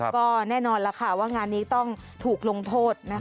ก็แน่นอนแล้วค่ะว่างานนี้ต้องถูกลงโทษ